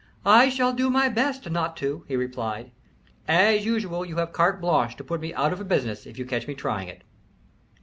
"I'll do my best not to," he replied. "As usual, you have carte blanche to put me out of business if you catch me trying it."